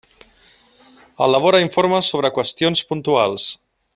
Elabora informes sobre qüestions puntuals.